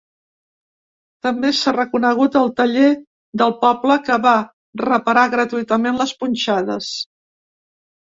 També s’ha reconegut el taller del poble que va reparar gratuïtament les punxades.